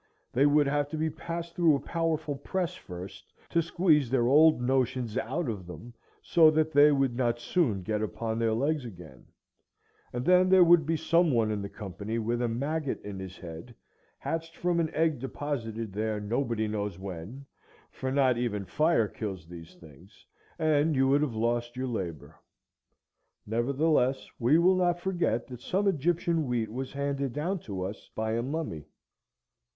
They would have to be passed through a powerful press first, to squeeze their old notions out of them, so that they would not soon get upon their legs again, and then there would be some one in the company with a maggot in his head, hatched from an egg deposited there nobody knows when, for not even fire kills these things, and you would have lost your labor. Nevertheless, we will not forget that some Egyptian wheat was handed down to us by a mummy.